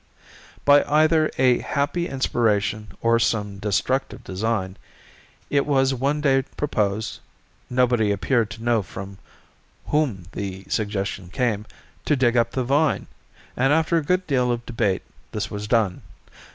By either a happy inspiration or some destructive design, it was one day proposed—nobody appeared to know from whom the suggestion came—to dig up the vine, and after a good deal of debate this was done.